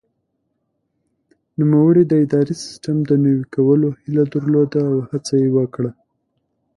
نوموړي د اداري سیسټم د نوي کولو هیله درلوده او هڅه یې وکړه.